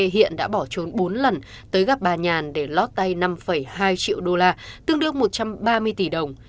hiện đã bỏ trốn bốn lần tới gặp bà nhàn để lót tay năm hai triệu đô la tương đương một trăm ba mươi tỷ đồng